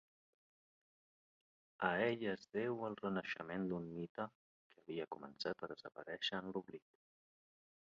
A ell es deu el renaixement d'un mite que havia començat a desaparèixer en l'oblit.